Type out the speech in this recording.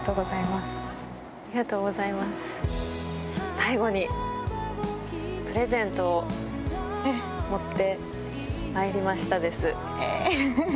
最後に、プレゼントを持ってまいりましたです。